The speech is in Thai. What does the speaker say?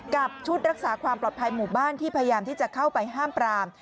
กับชุดรักษาความปลอดภัยหมู่บ้านที่พยายามที่จะเข้าไปห้ามปราม